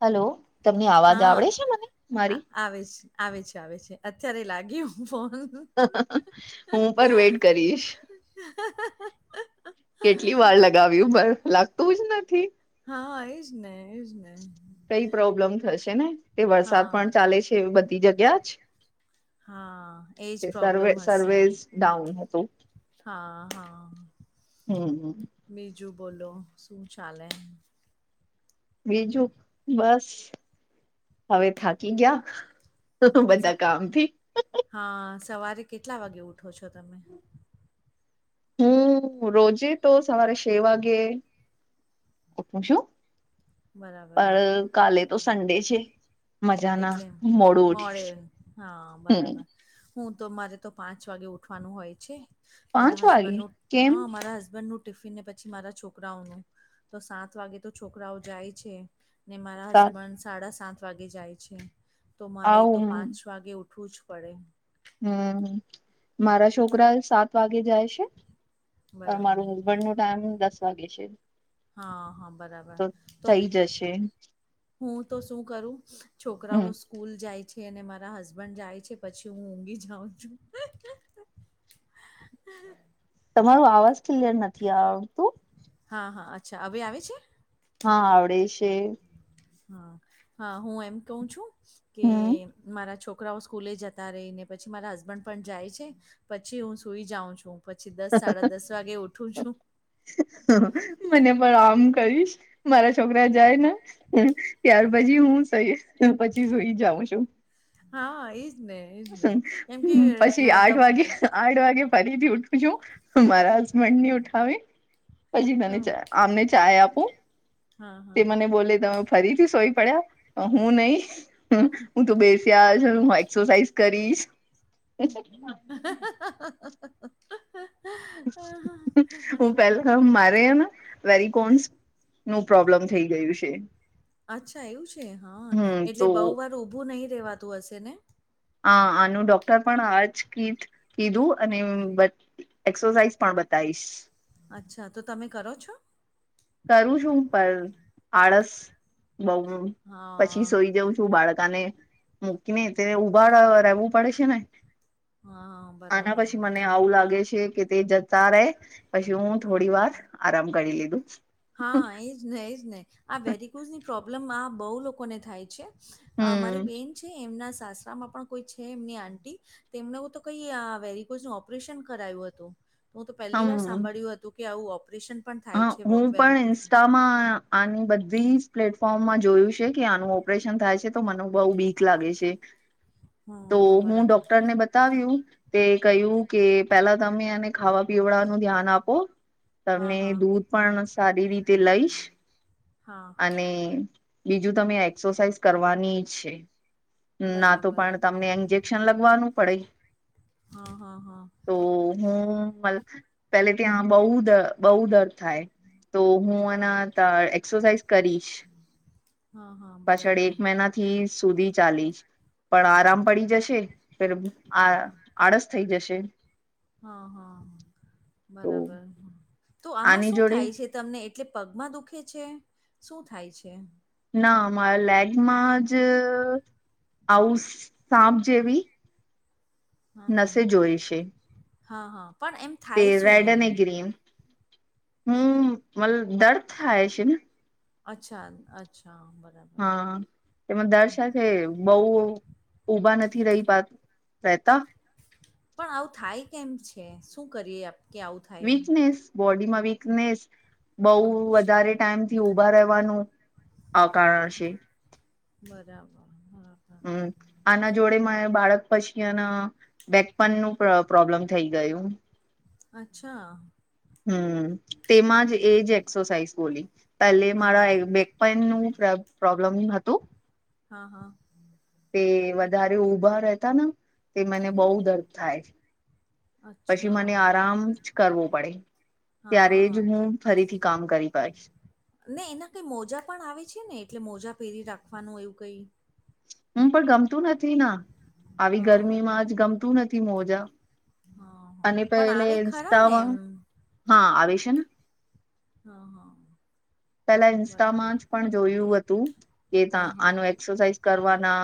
હાલો, તમને અવાજ હા આવડે છે મને આ મારી? આવે છે, આવે છે આવે છે, અત્યારે લાગ્યું ફો હું પણ વેઇટ કરીશ. હમ.. હમ.. હમ... હા કેટલી વાર લગાવ્યું પર લાગતું જ નથી. હા એજ ને એજ ને. કઈ પ્રોબ્લેમ થશે ને તે વરસાદ હા પણ ચાલે છે એ બધી જગ્યા જ હા એજ તે સર્વે પ્રોબ્લેમ હશે. સર્વેસ ડાઉન હતું હા હા. હમ્મ હમ્મ. બીજું બોલો, શું ચાલે? બીજું બસ, હવે થાકી ગયા. તો તું બધા સ- કામ થી હા સવારે કેટલા વાગે ઉઠો છો તમે? હું રોજે તો સવારે છે વાગે શું? બરાબર પણ કાલે તો સન્ડે છે. મજાના એટલે મોડું ઉઠી મોડે હા હમ બરાબર. હું તો મારે તો પાંચ વાગે ઉઠવાનું હોય છે. મારા પાંચ વાગે હસબન્ડ નું કેમ હા મારા હસબન્ડનું ટિફિનને પછી મારા છોકરાઓનું તો સાત વાગે તો છોકરાઓ જાય છે. ને મારા સાત હસબન્ડ સાડા સાત વાગે જાય છે, તો મારે તો આવું પાંચ વાગે ઉઠવું જ પડે. હમ્મ, મારા છોકરા સાત વાગે જાય છે, અ બરાબર મારું બડ નું ટાણું દસ વાગે છે. હા હા બરાબર, તો થઈ જશે હું તો શું કરું હમ છોકરાઓ સ્કૂલ જાય છ એ ને મારા હસબન્ડ જાય છે પછી હું ઊંઘી જાઉં છું. તમારો આવાજ ક્લિયર નથી આવતું. હા હા અચ્છા, હવે આવે છે? હા આવડે છે. હા હા હું એમ કવ છું કે હમ મારા છોક રાઓ સ્કૂલે જતા રહી ને પછી મારા હસબન્ડ પણ જાય છે પછી હું સુઈ જાઉં છું. પછી દસ સાડા દસ વાગે ઉઠું છું. મને પણ આમ કરીશ. મારા છોકરા જાય ને ત્યાર પછી હું સઈસ પછી હું સુઈ જાઉં છું. હા એજ ને એજ ને કેમ કે [unintelligible] પછી આઠ વાગે આઠ વાગે ફરીથી ઉઠું છું. મારા હસબન્ડ ની ઉઠાવી પછી હા મને આમને ચાય આપું. તે હા મને બોલે તમે ફરીથી સોય પડ્યા, હું નહી. હું તો બેસ્યા અને હું એક્સરસાઇઝ કરીશ. હ હું પેલા મારે એને વેરીિકન્સ નું પ્રોબ્લમ થઈ ગયું છે અચ્છા એવું છે હા હમ એટલે તો બહુ વાર ઊભું નહી રેવાતું હશે ને આ આનું ડોક્ટર પણ આજ ક કીધું અને એક્સરસાઇઝ પણ બતાવીશ અચ્છા તો તમે કરો છો કરું છું પણ આળસ બઉ પછી હા સોઈ જાઉં છું બાળકાને મૂકીને તેને ઉભા વું પડે છે ને હા આના બરાબર પછી મને બરાબર આવું લાગે છે કે તે તારે પછી હું થોડી વાર આરામ કરી લીધું હા એજ ને એજ નહ આ વેરીિકુઝ ની પ્રોબ્લેમ આ બહુ લોકોને થાય છે મારી હમ બેન છે એમના સાસરામાં પણ કોઈ છે એમની આંટી તેમણે હું તો કહી આ વેરગોઝ ન ઓપરેશન કરાયું હતું તો હું તો પહેલી વાર હમ સાંભળ્યું હતું કે આવું ઓપરેશન પણ હા થાય છે હું પણ વેરિકોઝ ઇન્સ્ટામાં આની બધી જ પ્લેટફોર્મમાં જોયું છે કે આનું ઓપરેશન થાય છે તો મને બહ બીક લાગે છે હા તો હા હું બરાબર ડોક્ટરને બતાવ્યું તે કહ્યું કે પેલા તમે એને ખાવા પીવડાનું ધ્યાન આપો હા તમને હા દૂધ પણ સારી રીતે લઈશ હા હા અને બીજું તમે એક્સરસાાઈઝ કરવાની જ છે ના તો બરાબર પણ તમને ઈન્જેક્શન લગવાનું પડે હા હા હા તો હું મ પેલે ત્યાં બહ બહુ દર થ તો હું હા હા એના એઝ હા હા પાછળ બરાબર એક મહિના થી સુધી ચાલીશ પણ આરામ પડી જશે ફે આ આળસ થઈ જશે હા હા તો બરાબર તો આમાં આની શું જોડે થાય છે તમને એટલે પગમાં દુખે છે શું થાય છે ના મારા લેગમાં જ આવું સાપ જેવી હા હા નસે જોઈ છે હા હા પણ એમ તે થાય શું રેડ એમ અને ગ્રીન હું મતલબ દર્દ થાય છે ને અચ્છા અચ્છા બરા હા એમાં દર્ સાથે બહ ઉભા નથી રહીતા પણ આવું થાય કેમ છે શું કરીએ આપણે વીકનેસ બોડી માં વીકનેસ બહુ અચ્છા વધારે ટાઈમ થી ઉઊભા રહેવાનું આ કારણ છે બરાબર બરાબ હમ આના જોડે મા બાળક પછી એના બેકપન નું પ્રોબ્લમ થઈ ગયું અચ્છા હમ તેમાં જ એજ એક્સરસાઇઝ બોલી પેલે મારા હા બેક પેન નું પ્રોબ્લેમ હતું હા હા તે વધારે ઉઊભા રહેતા ને તે મને બહુ દર્દ થાય પછી અચ્છા મને આરામ જ કરવો પડે ત્યારે હા જ હું ફરીથી કામ કરી પાડીશ. ને એના કઈ મોજા પણ આવે છે ને એટલે મોજા પહેરી રાખવાનું એવું કઈ. હું પણ ગમતું નથી ના આવી હા બરાબર ગરમીમાં જ ગમતું નથી મોજા. હા. હા અને પણ પહેલે આવે ખરા ને ઇન્સ્ટામાં એમ હા આવે છે ને. હા હા. પેલા બરાબર ઇન્સ્ટામાં જ પણ જોયું હતું કે ત હા હા આનું એક. એક્સરસાઇઝ કરવાના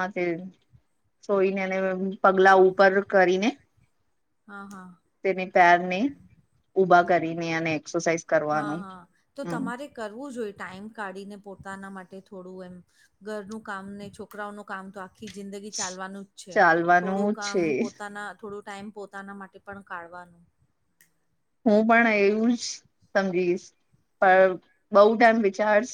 સોઈને અને પગલા ઉપર કરીને. હા હા. તેને તારને ઊભા કરીને અને એક્સરસાઇઝ હા કરવાનું હા તો હમ્મ તમારે કરવું જોઈએ ટાઈમ કાઢીને પોતાના માટે થોડું એમ. ઘરનું કામ ને છોકરાઓ ન કામ તો. આખી જિંદગી ચાલવાનું જ છે થોડું ચાલવાનું કામ છે પોતાના થોડું. ટાઈમ પોતાના માટે પણ કાઢવાનું. હું પણ એવું જ સમજીશ. પણ બહુ ટાઈમ વિચાર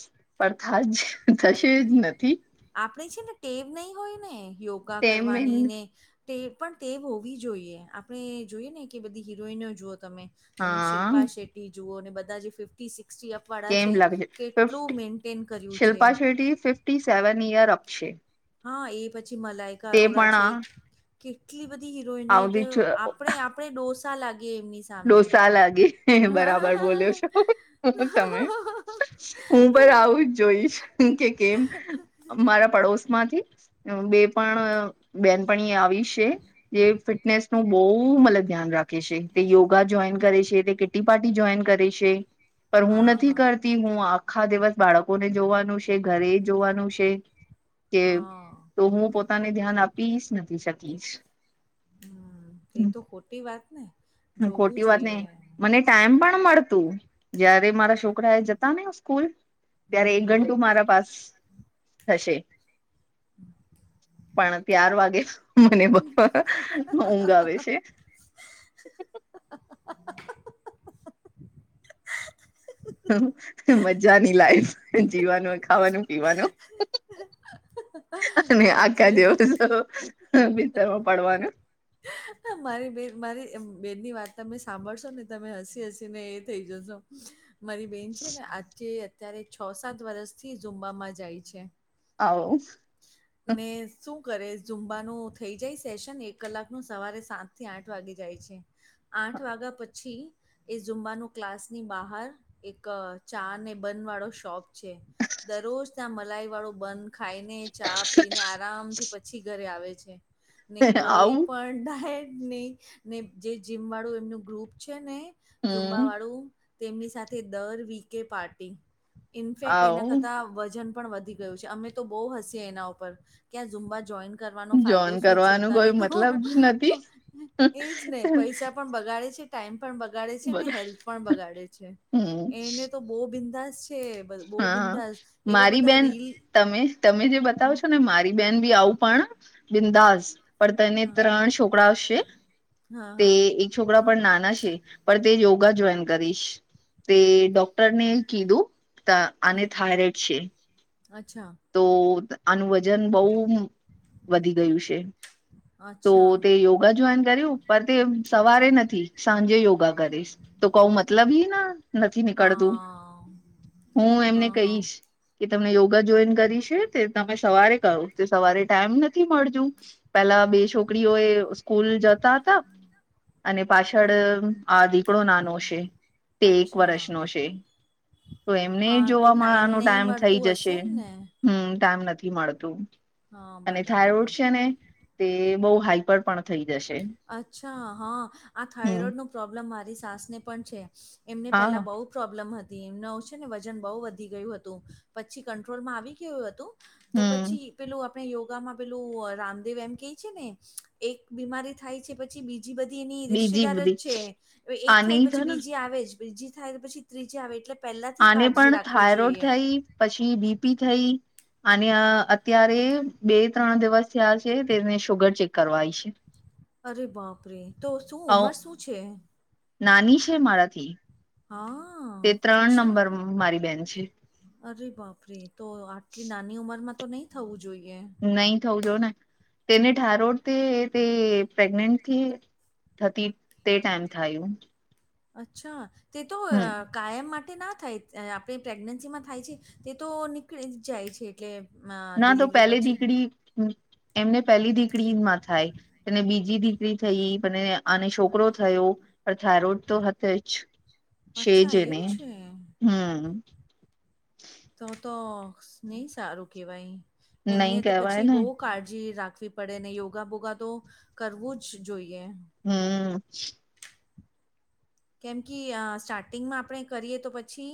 પણ થજ થશે જ નથી. આપણે છે ને ટેવ નહી હોય ને યોગા તેમ કરવાની ને. તે પણ ટેવ હોવી જોઈએ આપણે જોઈએ ને કે બધી હિરોઈનો જુઓ તમે. તમે હા શિલ્પા શેટ્ટી જુઓ અને બધા જે ફિફ્ટી સિકટી અપ વાળા કેમ છે લાગે કેટલું ફિફ્ટી મેન્ટેન કર્યું. શિલ્પા છે શેટી ફિફ્ટી સેવન ઇયર આપ છે હા એ પછી મલાઈકા તે અરોરા છે. પણ કેટલી બધી હીરોઈને તો આવતી આપણે આપણે ડોસા લાગીએ એમની. સામને. ડોસા લાગે બરાબર બોલ્યો છો. તમે હું પણ આવું જ જોઈશ કે કેમ મારા પડોશ. માંથી બે. એટ. બેન પણઓ આવી છે જે ફિટનેસ નું બહુ મતલબ ધ્યાન રાખે છે. તે યોગા જોઈન કરે છે તે કિટી પાર્ટી જોઈન કરે છે પણ હું હા નથી હા કરતી. થી હું આખા દિવસ બાળકો ને જોવાનું છે ઘરે જોવાનું છે. કે હા તો હું પોતાને ધ્યાન આપી જ નથી શકીશ. હા તે તો ખોટી વાત ને. હ જોવું ખોટી વાત નઈ જોઈએ મને ટાઈમ પણ મળતું. જયારે મારા છોકરા એ જતા ને સ્કૂલ હમ ત્યારે એક ગંટુ મારા પાસ થશે. [inaudible] પણ ત્યાર વાગે મને ઊંઘ આવે છે. [inaudible] મજાની લાઈફ જીવાનું ખાવાનું પીવાનું. હમ અને સાચે આખા દિવસો બિસ્તારમાં પડવાનું. હ મારી બે મારી બેનની વાત તમે સાંભળશો ને તમે હસી હસી ને એ થઈ જશો. મારી બેન છે ને આજે અત્યારે છ સાત વરષ થી ઝુમબામાં જાય છે. આવ. [inaudible] ને શું કરે ઝુંમબાનું થઈ જાય સેશન એક કલાકનું સવારે સાતથી આઠ વાગે જાય છે. આઠ વાગ્યા પ. પછી એ ઝુંમ્બાનું ક્લાસની બહાર એક ચા ને બન વાળો શોપ. દરરોજ ત્યાં મલાઈ વાળો બંન ખાઈને ચા પીને. આરામથી પછી ઘરે આવે છે ને કઈ આવું પણ ડાયટ નહી. ને જે જીમ વાળું એમનું ગ્રુપ છે ને હમ ઝુમબા વાળું. તેમની સાથે દર વીકે પાર્ટી, ઇનફેક્ટ એના આવું કરતાં વજન પણ વધી ગયું છે અમે તો બહુ હસીએ એના ઉપર ક્યાં ઝૂમબા જોઈન કરવાનો જોન ફાયદો શું છે કરવાનું તને કોઈ મતલબ તો જ નથી એજ ને પૈસા પણ બગાડે છે. ટાઈમ પણ બગાડે છે, બ હેલ્થ પણ બગાડે છે, હમ એને તો બહુ બિંદાસ છે બહુ હા બિંદાસ એવા મારી બધા બેન રીલ તમે તમે જે બતાવો હમ, છો ને મારી બેન ભી આવું પણ બિંદાસ પણ તને હા ત્રણ છોકરા આવશે હા તે હા એક છોકરા પણ નાના છે પણ તે યોગા જોઈન કરીશ, તે ડોક- ટરને કીધું આને હમ થાયરોઈડ છે. અચ્છા તો આનું વજન બઉ વધી ગયું છે તો અચ્છા તે યોગ યોગા જોઈન કર્યું પર તે સવારે નથી, સાંજે યોગા કરીશ. તો કઉ અ- મતલબ એ ના નથી હા નીકળતું, હું એમને હા હા કહીશ. કે તમને યોગા જોઈન કરી છે તે તમે સવારે કહો સવારે ટાઈમ નથી મળજુ પેલા બે છોકરીઓએ સ્કૂલ જતા હતા. અને પાછળ હા આ દીકડો નાનો છે તે એક અચ્છા વર્ષનો છે. તો એમને હા તો જોવામાંનો નહી ટાઈમ થઈ મળતું જશે. હશે ને હમ્મ ટાઈમ નથી મળતું હા અને બરાબર થાયરોઈડ છે ને તે બહુ હાઈપર પણ થઈ જશે. અચ્છા હા આ હમ થાઇરોઈડનો પ્રોબ્લમ મારી સાસને પણ છે એમને પહેલાં હા બહુ પ્રોબ્લેમ હતી એમનો જે ને વજન બહુ વધી ગયું હતું પછી કંટ્રોલ માં આવી ગયું હતું. તો હમ પછી પેલું આપણે યોગામાં પેલું રામદેવ એમ કે છે ને એક બીમારી થાય છે પછી બી જે બધી એની બીજી રિસ્તેદાર જ બધી છે એ એક આની થાય થ પછી ને બીજી આવે જ ત્રીજી થાય તો પછી ત્રીજી આવે એટલે પહેલાથી આને કાળજી પણ રાખવી થાયરોઈડ જોઈએ થઈ, પછી બીપી થઈ અને અત્યારે બે ત્રણ દિવસ થયા છે તેને શુગર ચેક કરવા આવી છે. અરે બાપરે તો શું આવ ઉમર શું છે. નાની છે મારાથી હા તે ત્રણ અચ્છા નંબર મારી બેન છે. અરે બાપરે તો આટલી નાની ઉંમરમાં તો નહી થવું જોઈએ. નહી થવું જો ને તેને થયરોઇડ તે તે પ્રેગનેન્ટથી થતી તે ટાઈમ થાયું અચ્છા તે તો કાયમ માટે ના થાય આપણી પ્રેગ્નન્સીમાં થાય છે તે તો નીકળી જ જાય છે એટલે અ ના તો ડિલિવરી પહેલે પછી. થી [unintelligible] એમને પેલી દીકરીમાં થાય અને બીજી દીકરી થઈ અને અને છોકરો થયો પણ થાયરોઈડ તો હતે જ છેજ અચ્છા એને એવું છે. હમ્મ તો તો નહી સારું કેવાય એમને નહી તો કહેવાય પછી ને બોહ કાળજી રાખવી પડે ને યોગા બોગા તો કરવું જ જોઈએ. હમ્મ કેમ કે સ્ટાર્ટિંગમાં આપણે કરીએ તો પછી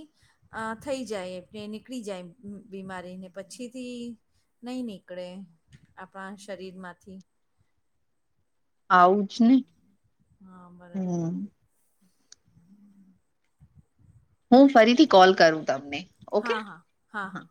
આ થઈ જાય એલે નીકળી જાય બીમારીને પછીથી નહીં નીકળે આપણા શરીરમાંથી આવુંજ ને હા બરાબર હમ્મ હું ફરીથી કોલ કરું, તમને હા ઓકે હા હા હા